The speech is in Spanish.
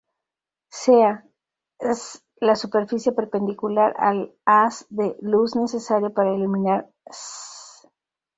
Sea S la superficie perpendicular al haz de luz necesario para iluminar S'.